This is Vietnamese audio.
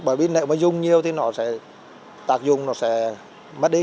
bởi vì nếu mà dùng nhiều thì nó sẽ tạc dùng nó sẽ mất đi